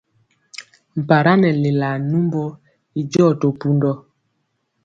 Mpara nɛ lelaa numbɔ i jɔ to pundɔ.